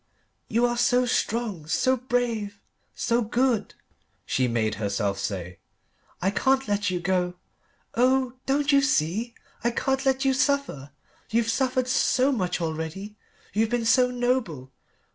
"You are so strong, so brave, so good," she made herself say. "I can't let you go. Oh don't you see I can't let you suffer. You've suffered so much already you've been so noble.